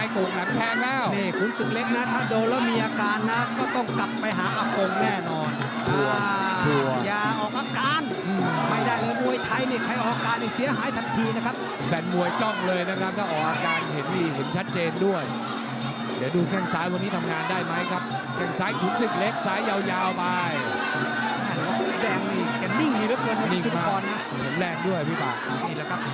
ขุนสึกเล็กต้องใช้ความยาวความใหญ่ประกบ